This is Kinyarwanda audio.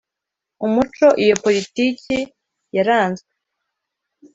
umuco iyo poritiki yaranzwe